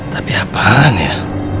tapi apaan ya